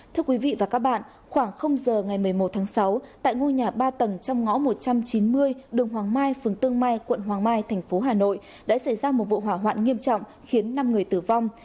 thưa quý vị và các bạn khoảng giờ ngày một mươi một tháng sáu tại ngôi nhà ba tầng trong ngõ một trăm chín mươi đường hoàng mai phường tương mai quận hoàng mai thành phố hà nội đã xảy ra một vụ hỏa hoạn nghiêm trọng khiến năm người tử vong